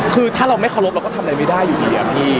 คือถ้าเราไม่เคารพเราก็ทำอะไรไม่ได้อยู่ดีอะพี่